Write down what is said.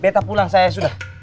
beta pulang saya sudah